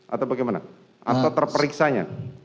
atau bagaimana atau terperiksanya